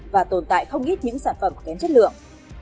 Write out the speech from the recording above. và tồn tại không ít những sản phẩm kém chất lượng